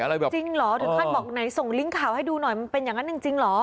จริงหรอถือท่านบอกไหนส่งลิงค์ข่าวให้ดูหน่อยมันเป็นอย่างนั้นจริงหรอ